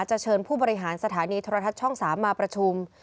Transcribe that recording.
จะเชิญผู้บริหารสถานีทรทช๓มาประชุม